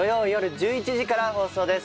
１１時から放送です。